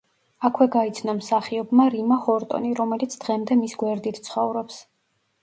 აქვე გაიცნო მსახიობმა რიმა ჰორტონი, რომელიც დღემდე მის გვერდით ცხოვრობს.